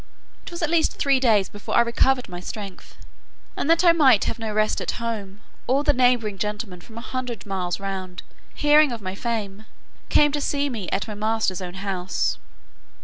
It was at least three days before I recovered my strength; and that I might have no rest at home, all the neighbouring gentlemen from a hundred miles round, hearing of my fame, came to see me at my master's own house.